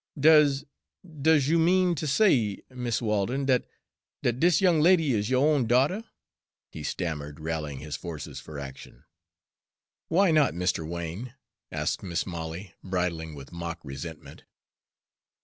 "Does does you mean ter say, Mis' Walden, dat dat dis young lady is yo' own daughter?" he stammered, rallying his forces for action. "Why not, Mr. Wain?" asked Mis' Molly, bridling with mock resentment.